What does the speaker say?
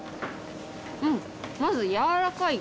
うん。